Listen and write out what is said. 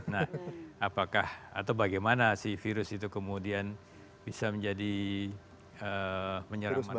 nah apakah atau bagaimana si virus itu kemudian bisa menjadi menyerang manusia